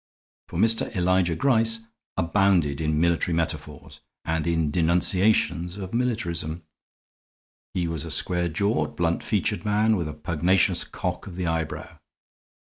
For Mr. Elijah Gryce abounded in military metaphors and in denunciations of militarism. He was a square jawed, blunt featured man with a pugnacious cock of the eyebrow.